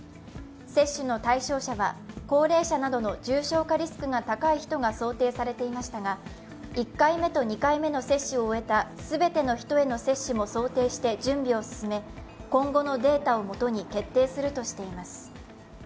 接種の対象者は高齢者などの重症化リスクの高い人が想定されていましたが１回目と２回目の接種を終えた全ての人への接種も想定して準備を進め、今後のデータをもとに決定するとしています。